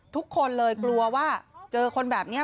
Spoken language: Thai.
ทุกคนเลยกลัวว่าเจอคนแบบนี้